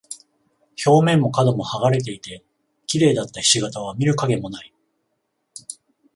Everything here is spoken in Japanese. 表面も角も剥がれていて、綺麗だった菱形は見る影もない。